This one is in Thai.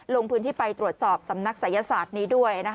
ลงพื้นที่ไปตรวจสอบสำนักศัยศาสตร์นี้ด้วย